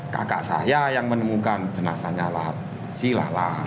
kakak saya yang menemukan jenazahnya si lala